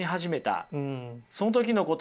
あその時のこと。